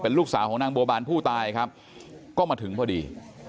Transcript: ลูกสาวของนางบัวบานผู้ตายครับก็มาถึงพอดี